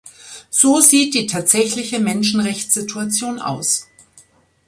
So sieht die tatsächliche Menschenrechtssituation aus.